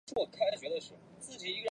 甘丹塔钦旁边有许多景点。